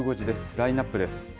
ラインナップです。